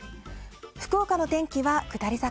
福岡の天気は下り坂。